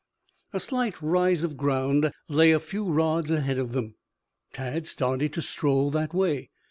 A slight rise of ground lay a few rods ahead of them. Tad started to stroll that way.